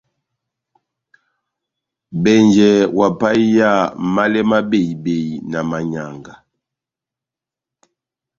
Bɛnjɛ ohapahiya málɛ má behi-behi na manyanga.